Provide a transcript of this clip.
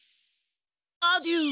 アデュー！